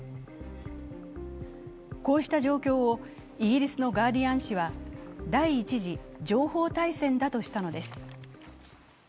こうした状況をイギリスの「ガーディアン」紙は第一次情報大戦だとしたのです。